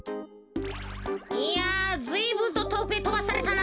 いやずいぶんととおくへとばされたな。